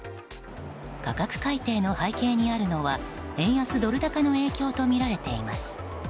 価格改定の背景にあるのは円安ドル高の影響とみられています。